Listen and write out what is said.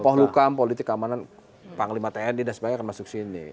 pohlukam politik keamanan panglima tni dan sebagainya akan masuk sini